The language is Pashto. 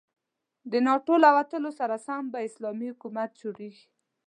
د ناتو له وتلو سره سم به اسلامي حکومت جوړيږي.